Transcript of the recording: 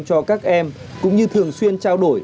cho các em cũng như thường xuyên trao đổi